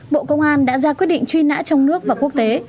bộ công an đã ra quyết định truy nã trong nước và quốc tế